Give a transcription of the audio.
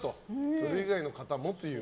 それ以外の方もという。